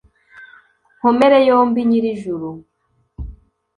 nkomere yombi nyirijuru